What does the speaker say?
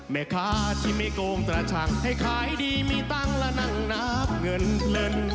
แม่ค้าที่ไม่โกงกระชังให้ขายดีมีตังค์และนั่งนับเงินเพลิน